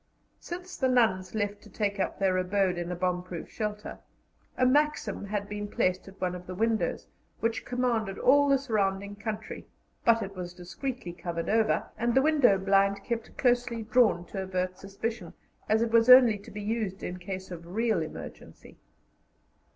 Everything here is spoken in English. Since the nuns left to take up their abode in a bomb proof shelter, a Maxim had been placed at one of the windows, which commanded all the surrounding country; but it was discreetly covered over, and the window blind kept closely drawn to avert suspicion, as it was only to be used in case of real emergency.